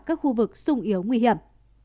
các khu vực sung yếu nguy hiểm